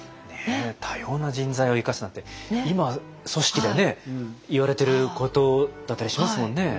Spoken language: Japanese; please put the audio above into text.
ねえ多様な人材を生かすなんて今組織で言われてることだったりしますもんね。